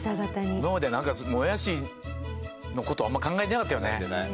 今までなんかもやしの事あんま考えてなかったよね。